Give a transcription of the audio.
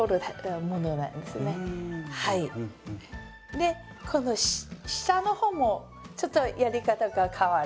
でこの下の方もちょっとやり方が変わります。